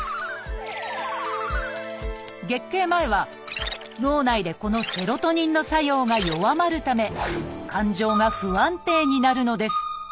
月経前は脳内でこのセロトニンの作用が弱まるため感情が不安定になるのです。